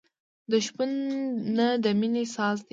د شپون نی د مینې ساز دی.